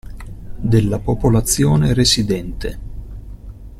Della popolazione residente.